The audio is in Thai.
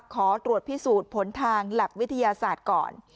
ขอตรวจพิสูจน์ผลทางหลักวิทยาศาสตร์ก่อน